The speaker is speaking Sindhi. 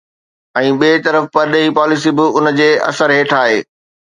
۽ ٻئي طرف پرڏيهي پاليسي به ان جي اثر هيٺ آهي.